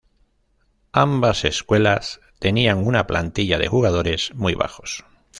Ambas escuelas tenían una plantilla de jugadores muy bajos.